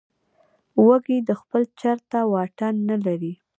وزې د خپل چرته واټن نه لري